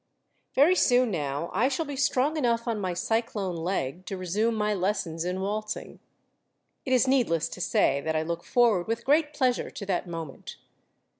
Very soon now I shall be strong enough on my cyclone leg to resume my lessons in waltzing. It is needless to say that I look forward with great pleasure to that moment.